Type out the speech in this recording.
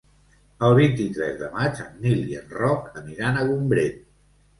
El vint-i-tres de maig en Nil i en Roc aniran a Gombrèn.